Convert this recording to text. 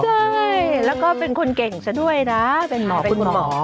ใช่แล้วก็เป็นคนเก่งซะด้วยนะเป็นหมอเป็นคุณหมอ